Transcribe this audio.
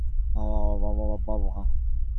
তিনি কংগ্রেস আন্দোলনে যোগ দেন।